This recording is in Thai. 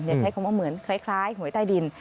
ใช้คำว่าเหมือนคล้ายหวยใต้ดิน